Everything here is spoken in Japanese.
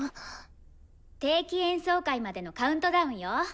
定期演奏会までのカウントダウンよ。